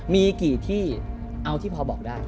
มีกี่ที่เอาที่พอบอกได้